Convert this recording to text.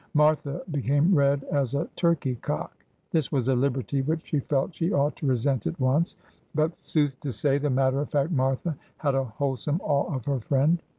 Martha became red as a turkey cock. This was a liberty which she felt she ought to resent at once ; but, sooth to say, the matter of fact Martha had a wholesome awe of her friend.